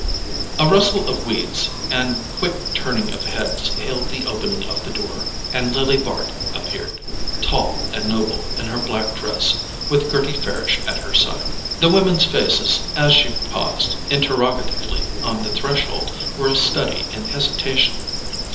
A rustle of weeds and quick turning of heads hailed the opening of the door, and Lily Bart appeared, tall and noble in her black dress, with Gerty Farish at her side. The women's faces, as she paused interrogatively on the threshold, were a study in hesitation.